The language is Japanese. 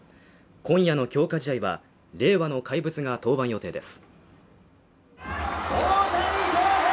今夜の強化試合は、令和の怪物が登板予定です。